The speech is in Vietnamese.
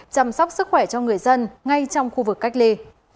chăm sóc sức khỏe cho người dân ngay trong khu vực cách ly